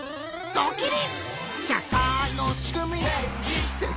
ドキリ！